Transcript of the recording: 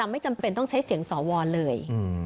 ไม่จำเป็นต้องใช้เสียงสวเลย